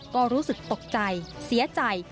ก็รู้สึกตกใจเสียใจ